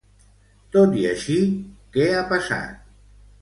Tot i així que ha passat?